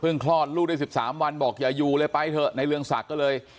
คลอดลูกได้๑๓วันบอกอย่าอยู่เลยไปเถอะในเรืองศักดิ์ก็เลย